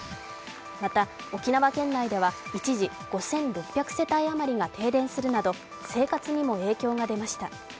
また沖縄県内では一時５６００世帯あまりが停電するなど生活にも影響が出ました。